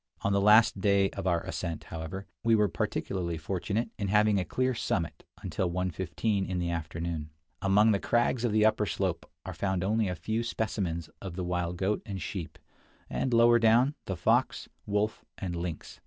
On the last day of our ascent, however, we were particularly fortunate in having a clear summit until 1:15 in the 44 Across Asia on a Bicycle afternoon. Among the crags of the upper slope are found only a few specimens of the wild goat and sheep, and, lower down, the fox, wolf, and lynx.